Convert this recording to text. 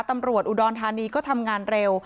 ตำรวจอุดรธานีก็ทำงานเร็ว